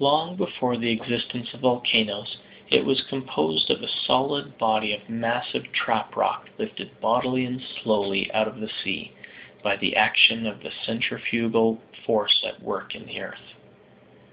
Long before the existence of volcanoes, it was composed of a solid body of massive trap rock lifted bodily and slowly out of the sea, by the action of the centrifugal force at work in the earth.